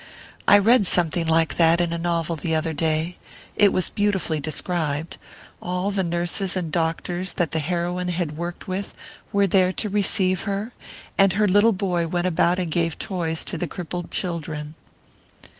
I read something like that in a novel the other day it was beautifully described. All the nurses and doctors that the heroine had worked with were there to receive her...and her little boy went about and gave toys to the crippled children...."